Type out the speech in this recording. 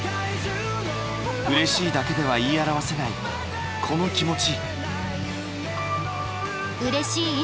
うれしいだけでは言い表せないこの気持ち。